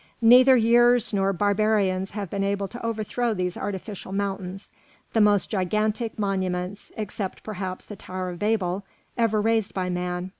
Neither years nor barbarians have been able to overthrow these artificial mountains, the most gigantic monuments, except, perhaps, the Tower of Babel, ever raised by man.